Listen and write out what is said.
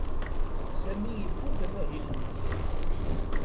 Sami ifuk amahil-nnes.